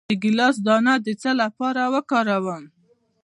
د ګیلاس دانه د څه لپاره وکاروم؟